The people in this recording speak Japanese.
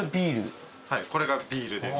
これがビールです